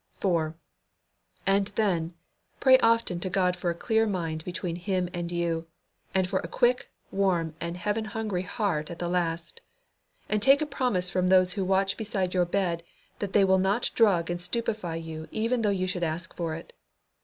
4. And then, pray often to God for a clear mind between Him and you, and for a quick, warm, and heaven hungry heart at the last. And take a promise from those who watch beside your bed that they will not drug and stupefy you even though you should ask for it.